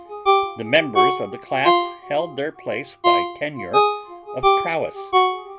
The members of the class held their place by tenure of prowess.